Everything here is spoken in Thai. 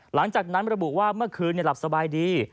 หลังจากนั้นระบุว่าเมื่อคืนหลับสบายดี